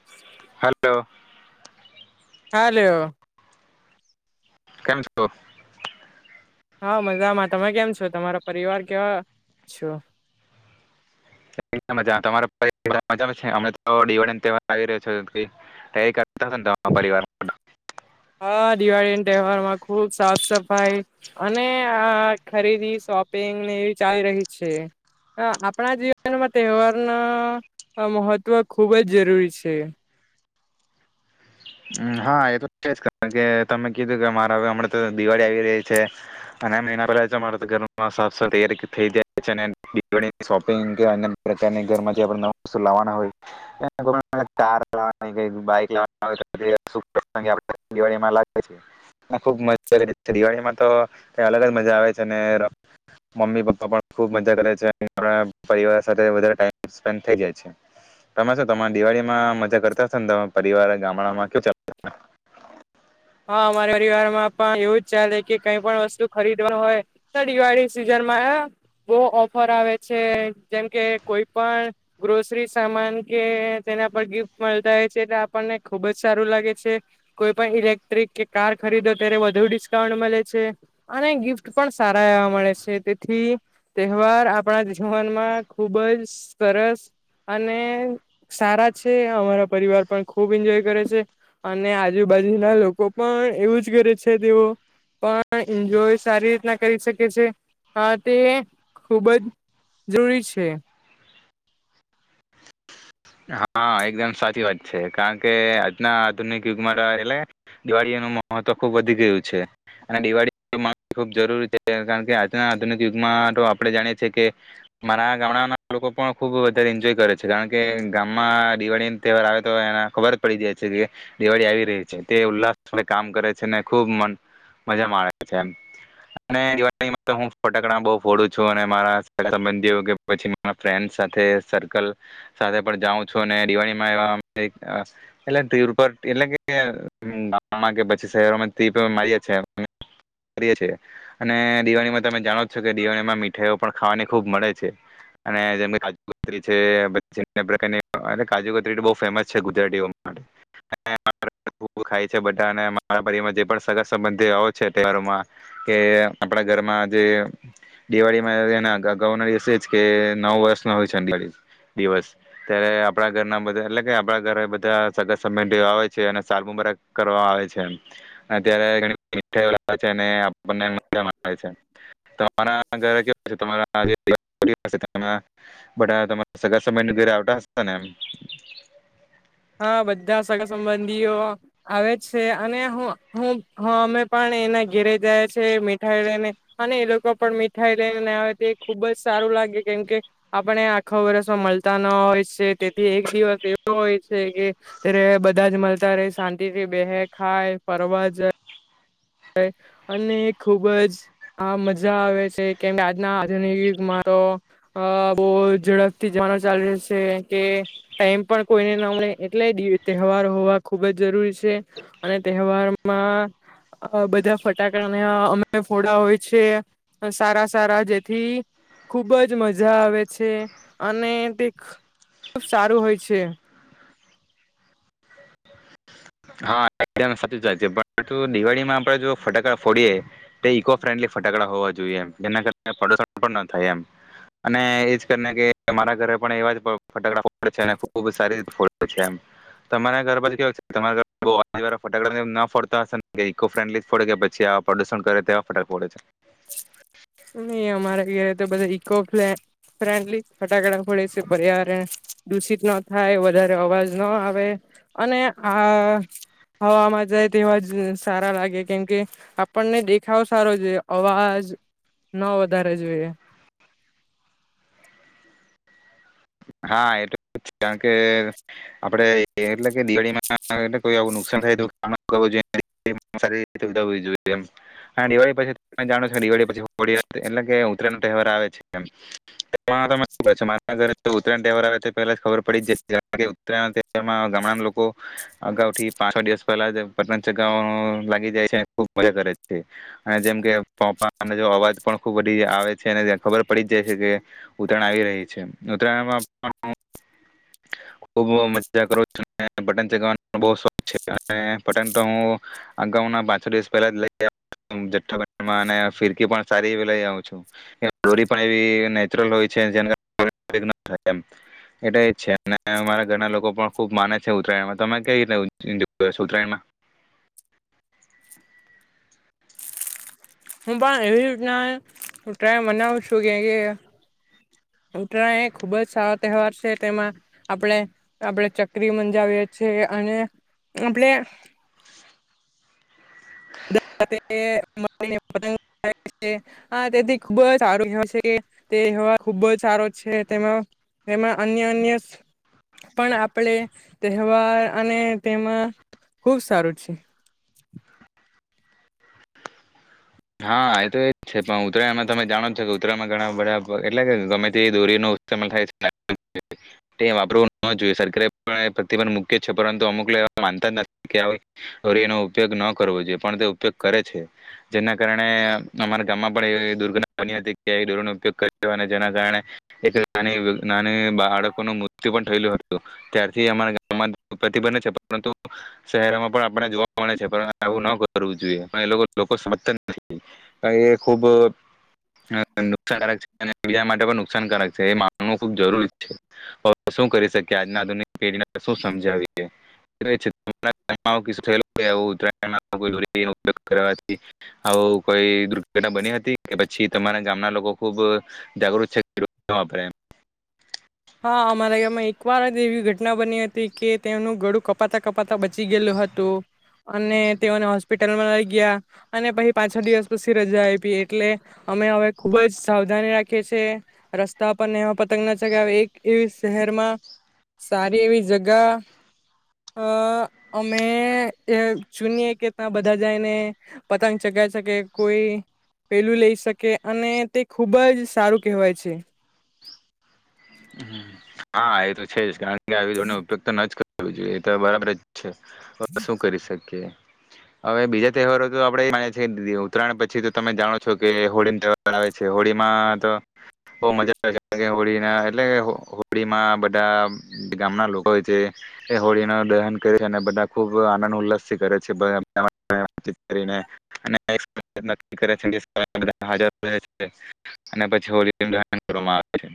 [inaudible] Hello. Hello. કેમ છો? હઅ, મજામાં. તમે કેમ છો? તમારા પરિવાર કેવા છો? હઅ મજા, તમારા પરિવાર મજામાં છે, અમે તો દિવાળીન તહેવાર આવી રહ્યો છ તી તૈયારી કરતા હશોને તમારા પરિવાર [unintelligible] હઅ, દિવાળીન તહેવારમાં ખુબ સાફ-સફાઈ - અને આ ખરીદી શોપિંગને એવી ચાલી રહી છે. હઅ, આપડા જીવનમાં તહેવાર ના મહત્વ ખુબ જ જરૂરી છે. હા, એ તો છે જ કે જે તમે કીધું કે માર હવે હમણા તો દિવાળી આવી રહી છે અનેમ એના પહેલા જ અમારે તો ઘરમાં સાફ સ તૈયારી થઈ જાય છે ને દીવાળી શોપિંગ કે અન્ય પ્રકારની ઘરમાં જે આપડે નવ વસ્તુ લાવાના હોય એના પ્રમાણે કાર લાવાની કઈક બાઈક લાવાના હોય [unintelligible] શુભ પ્રસંગ આપડે દિવાળીમાં લાવીએ છે. અને ખુબ મજા કરીએ. દિવાળીમાં તો કઈ અલગ જ મજા આવે છે અને મમ્મી-પપ્પા પણ ખુબ મજા કરે છે, અને પરિવાર સાથે વધારે ટાઈમ સ્પેન્ડ થઈ જાય છે. તમે શું તમાર દિવાળીમાં મજા કરતા હશોન, તમાર પરિવાર ગામડામાં કેવું ચા હા, અમારે પરિવારમાં પણ એવું જ ચાલે કે કઈ પણ વસ્તુ ખરીદવા હોય તો દિવાળી સિઝનમાં બઉ ઓફર આવે છે જેમ કે કોઈ પણ ગ્રોસરી સામાન કે તેના પર ગિફ્ટ મલતા હોય છે એટલે આપણને ખુબ જ સારું લાગે છે. કોઈ પણ ઇલેક્ટ્રિક કે કાર ખરીદો ત્યારે વધુ ડિસ્કાઉન્ટ મલે છે. અને ગિફ્ટ પણ સારા એવા મળે છે તેથી તહેવાર આપડા જીવનમાં ખુબ જ સરસ અને સારા છે અમારા પરિવાર પણ ખૂબ એન્જોય કરે છે અને આજુબાજુના લો કો પણ એવું જ કરે છે તેઓ પણ એન્જોય સારી રીતના કરી શકે છે, પણ તે ખુબ જ જરૂરી છે. હા, એકદમ સાચી વાત છે, કારણ કે આજના આધુનિક યુગમાં ત એટલે દિવાળીએનું મહત્વ ખુબ વધી ગયું છે. અને દિવાળીમાં ખૂબ જરૂરી છે કારણ કે આજના આધુનિક યુગમાં તો આપડે જાણીએ છીએ કે મારા ગામડાના લોકો પણ ખુબ વધારે એન્જોય કરે છે કારણ કે ગામમાં દિવાળીન તહેવાર આવે તો એના ખબર પડી જાય છે કે દિવાળી આવી રહી છે. તે ઉલ્લાસળે કામ કરે છે ને ખુબ મન મજા માણે છે એમ. અને દિવાળીમાં તો હું ફટકડા બઉ ફોડું છું, અને મારા સગા-સબંધીઓ કે પછી મારા ફ્રેન્ડ સાથે સર્કલ સાથે પણ જાઉ છું, દિવાળીમાં એવા એક અ એટલે ધીર ઉપર એટલે કે ગામમાં કે પછી શહેરોમાંથી તો મળયાં છે કરીએ છીએ, અને દિવાળીમાં તમે જાણો છો કે દિવાળીમાં મીઠાઈઓ પણ ખાવાની ખુબ મળે છે. અને જેમ કે કાજુ કતરી છે [unintelligible] અનેક પ્રકારની અરે કાજુ કતરી તો બઉ ફેમસ છે ગુજરાતીઓ માટે અને [unintelligible] ખાય છે બધાને મારા પરિવરમાં જે પણ સગા-સંબંધીઓ આવે છે તહેવારોમાં કે આપડા ઘરમાં જે દિવાળીમાં એવુ એના અગ-ગ-ગાઉના દિવસે જ કે નવ વર્ષનું હોય છે દિવાળી દિવસ. ત્યારે આપડા ઘરના બધા એટલે કે આપડા ઘરે બધા સગા-સબંધીઓ આવે છે અને સાલમુબારક કરવા આવે છે એમ. અત્યાર [unintelligible] તમારા ઘરે કેવા તમારા [unintelligible] બટ તમારે સગા સમય ઘેરે આવતા હશે ને એમ. હા બધા સગા સંબંધીઓ આવે જ છે અને હું અમે પણ એના ઘેરે જયા છે મીઠાઈ લને. અને એ લોકો પણ મીઠાઈ લઈને આવે તે ખુબ જ સારું લાગે કેમ કે આપણે આખો વર્ષમાં મળતા ન હોય છે તેથી એક દિવસ એવો હોય. કે, ર બધા જ મળતા ર શાંતિ થી બેહે ખાય ફરવા જાય. અને ખુબ જ હા મજા આવે છે કેમ આજના આધુનિક મારો અ બહુ ઝડપથી જમાનો ચાલી રહ છે કે ટાઈમ પણ કોઈને ના મળ મળે એટલે તહેવાર હોવા ખુબ જ જરૂરી છે. અને તહેવારમાં અ બધા ફટાકડાને અમે ફોડાા હોય છે, સારા સારા જેથી ખુબ જ મજા આવે છે, અને તે ખબ સારું હોય છે. હા એકમ સાચી વાત છે પણ દિવાળીમાં આપે જો ફટાકડા ફોડીયએ. તે ઇકો ફ્રેન્ડલી ફટકડા હોવા જોઈએ એમ જેના કારટો પણ થાય એમ. અને એજ કરીને કે તમારા ઘરે પણ એવા જ ફટાકડા ફડે છે અને ખુબ સારી રીતે ફો છે, એમ તમારા ઘરછ કેવાય તમા બઉ આવાર ફટાકડા ના ફડતા હશે ને ઈકો ફ્રેન્ડલી ફડે કે પી આવા પ્રદુષણ કરે તેવા ફટાક ફડે છે? નહી અમારે ઘ તો બધા ઇકો પ્લે ફ્રેન્ડલી ફટાકડા ખોલે છે પર્યાવરણ દૂષિત ન થાય વધારે અવાજ ન આવે. અને આ હવામાં જાય તેવા જ સારા લાગે કેમકે. આપણને દેખાવો સારો છે અવાજ ન વધારે જોઈએ. હા એટ કારણ કે આપડણે એટલે કે દિવાળીમાં એ કોઈ આવું નુકસાન થાય તો જોઈ. એ સારી રીતે બધા હોવી જોઈએ એમ. હા દિવાળી પછી તમે જાણો છો કે દિવાળી પછી હોળી એટલે કે ઉત્તરાય નો તહેવાર આવે છેમ. એ શ મારા ઘ [unintelligible] તો ઉતયણ તહેવાર આવે તો પહેલા જ ખબર પડી જ ઉતયણમાં ગામડાના લોકો. અગાઉથી પાંચ છ દિવસ પહેલા પટ ચગાવવા લાગી જાય છે ખુબ મજા કરે છે. અને જેમ કે પોપા અવાજ પણ ખુબ બધી આવે છે અને ખબર પડી જ જાય છે કે ઉત્તરાયણ આવી રહી છે, ઉત્તરાયણમાં પણ [inaudible] ખૂબ મજા કરું છ પતંગ ચગાવવાનો શોખ છે પતંગ તો હું અગાઉ ના પાંછો દિવસ પહેલા જ લઈ્ ફિરકી પણ સારી લઈ આવું છું. દોરી પણ એ નેચરલ હોય છે જે એટ છે અને અરા ઘરના લોકો પણ ખુબ માને છે ઉત્તરાયણમાં તમે કઈ રીતે ઉત્તરાયણમાં? હું પણ એવી રના ટ્રાય મનાવ છું કે કે ઉતરાય એ ખુબ જ સારો તહેવાર છે તેમાં આપણે આપડે ચક્રી મંજાવીએ છીએ અને આપણે તે પત [unintelligible] હા તેથી ખુબ જ સારું છે તેવા ખુબ જ સારો છે, તેમાં એમાં અન્ય અન્ય પણ આપડે તહેવાર અને તેમાં ખુબ સારું છે. હા એ તો એજ છે પણ ઉત્તરાય એમાં તમે જાણોો કે ઉત્તરાયમાં ઘણા બધા એટલે કે ગમે તે દોરી ન સમમે થાય છે [unintelligible] તે વાપરવું ન જોઈએ સરકારે પણ પ્રતિભંધ મુૂક્ય છે પરંતુ અમુક લોકો એ માનતા જ નથી કે એનો ઉપયોગ ન કરવો જોઈએ પણ તે ઉપયોગ કરે છે. જેના કારણે અમારા ગામમાં પણ એવી દુર્ઘટના બની હતી કે ડોરનો ઉપયોગ કર્યો અને જેના કારણે એક નાની નાની બાળકોનું મૃત્યુ પણ થયેલુ હતુ. ત્યારથી અમારા ગામમાં પ્રતિબંધ છે, પરંતુ શહેરમાં પણ આપણે જોવા મળે છે, પણ આવું ન કરવું જોઈએ પણ એ લોકો એ ખૂબ નુકસાનકારક છે અને બીજા માટે પણ નુકસાનકારક છે એ માનવું ખુબ જરૂરી છે. હ શું કરી શકીએ આજ આધુનિક પેઢીને શું સમજાવીએ થય આવું કોઈ દુર્ઘટના બની હતી કે પછી તમારા ગામના લોકો ખુબ જાગૃત છે. હા અમારા ગામમાં એક વાર જ એવી ઘટના બની હતી કે તેનું ગળું કપાતા કપાતા બચી ગયેું હતુ. અને તેઓને હોસ્પિટલમાં લઈ ગયા અને પછી પાછ દિવસ પછી રજા આપી એટલે અમે હવે ખુબ જ સાવધાની રાખીએ છીએ. રસ્તા પરને એવા પતંગ ના ચગ્યા એક એવી શહેરમાં સારી એવી જગા. અ અમે જોૂનીએ કે ત્યાં બધા જાયને પતંગ ચગાવી શકીએ છે, કે કોઈ પેલું લઈ શકે અને તે ખુબ જ સાર કહેવાય છે. હા એ તો છે જ કારણ કે આવી જોડ ઉપયોગ તો બીજુ એ તો બરાબર શું કરી શકીએ. હવે, બીજા તહેવારો તો આપણે એ માની ઉત્તરાયણ પછી તો તમે જાણો છો, કે હોળી ત આવે છે. હોળીમાં તો બહું મજા આવે છે કારણ હોળીના એટલે હોળીમાં બધા ગામના લોકો હોય છે. એ હોળીનું દહન કરે છે અને બધા ખુબ આનંદ ઉલ્લાસથી કરે છે. [inaudible] અને પછી હોળીનું દહન કરવામાં આવે છે.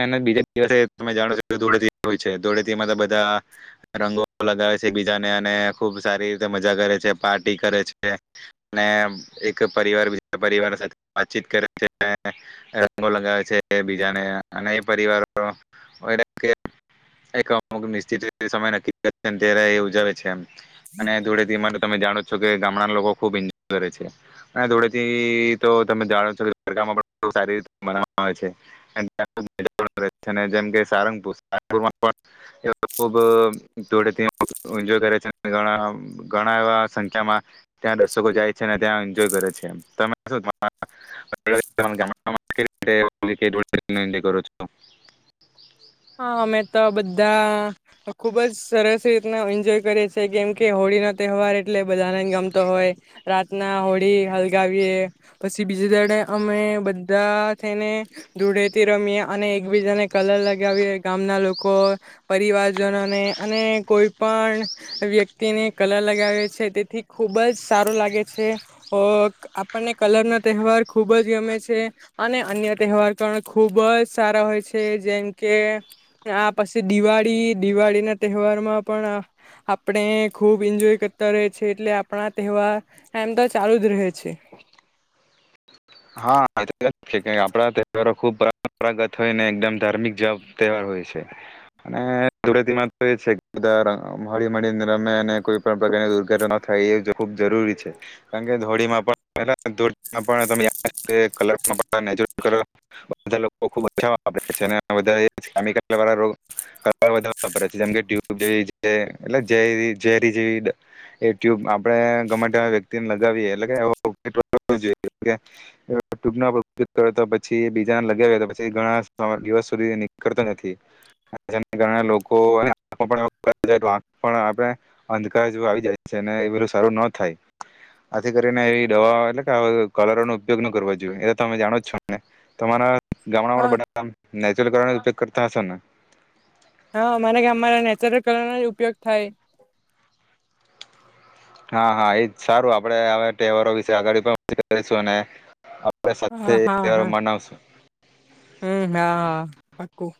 અને બીજે દિવસે તમે જાણો છો કે ધૂળેટી હોય છે, ધૂળેટીમા બધા રંગો લગાવે છે, બીજાને અને ખુબ સારી રીતે મજા કરે છે, પાર્ટી કરે છે. એક પરિવાર બીજા પરિવાર સાથે વાતચીત કરે છે. રંગો લગાવે છે, બીજાને અને એ પરિવારો કે એક અમુક નિશ્ચિત સમય નક્કી કરે ત્યારે એ ઉજાવે છે, એમ અને ધૂળેટી ધીમા તમે, જાણો છો કે ગામડાના લોકો ખુબ એન્જોય કરે છે. ના ધૂળેટી તો તમે જાનો છો, પણ સારી રીતે મનાવામાં આવે છે. જેમ કે સારંગપુર, સારંગપુરમાં પણ ત્યાં ખૂબ ધૂળેટી એન્જોય કરે છે, અને ઘણા એવા સંખ્યામાં ત્યાં દર્શકો જાય છે અને ત્યાં એન્જોય કરે છે. તમે શુ [inaudible] હા, મે તો બધા ખૂબ જ સરસ રીતના એન્જોય કરે છે, કેમ કે હોળીનો તહેવાર એટલે બધાને જ ગમતો હોય. રાતના હોળી હલગાવીએ પછી બીજા દિવસે અમે બધા થઈને ધૂળેટી રમીએ અને એકબીજાને કલર લાગા વીએ ગામના લોકો, પરિવારજનોને અને કોઈ પણ વ્યક્તિને કલાર લગાવે છે તેથી ખૂબ જ સારું લાગે છે. ઓ આપણને કલર ના તહેવાર ખુબ જ ગમે છે. અને અન્ય તહેવાર પણ ખુબ જ સારા હોય છે, જેમ કે આ પછી દિવાળી, દિવાળીના તહેવારમાં પણ આપણે ખૂબ એન્જોય કરતા રહીએ છે, એટલે આપણા તહેવાર એમ તો ચાલુ જ રહે છે. હા, આપડા તહેવારો ખુબ પરંપરાગત હોય ને એકદમ ધાર્મિક તહેવાર હોય છે. અને ધળેટીમાં તો એ છે બધા મળીને રમેને કોઈ પ્રકારની દુર્ઘટના ન થાય એ ખુબ જરૂરી છે. કારણ કે ધૂળેટીમાં પણ તો [unintelligible] બધા લોકો ખુબ [unintelligible] છે બધા મળીને લોકો [unintelligible] એટલે જેવી એ ઝેરી જેવી એ ટ્યુબ આપણે ગમે તેવી વ્યક્તિને લગાવીએ એટલે કે જોઈ કે ટ્યુબ ઉપયોગ કરે પછી બીજા લગાવ્યા પછી ઘણા દિવસ સુધી નીકળતો નથી. જેને કારણે લોકો આપણે અંધકાર જેવ આવી જાય છે, એ બધું સારું ન થાય. આથી કરીને એવી દવા એટલે કે કલરો નો ઉપયોગ ન કરવા જોઈએ એ તમે જાણો જ છો ને? તમારા ગામડામાં હા બધા નેચ્લર કલર નો ઉપયોગ કરતા હોય ને? હા, અમારા ગામમાં નેચરલ કલરનો જ ઉપયોગ થાય. હા, હા એજ સારું આપડે હવે તહેવારો વિશે આગળ પણ વાત કરીશું ને આપડે સાથે હા એક હા તહેવાર હા મનાવશું. હમ હા હા પાકું.